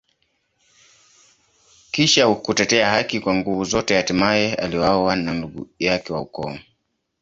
Kisha kutetea haki kwa nguvu zote, hatimaye aliuawa na ndugu yake wa ukoo.